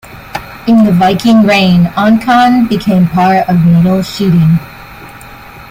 In the Viking reign Onchan became part of Middle sheading.